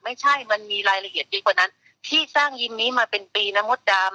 ไม่ใช่มันมีรายละเอียดยิ่งกว่านั้นที่สร้างยิ่มนี้มาเป็นปีนะมดดำ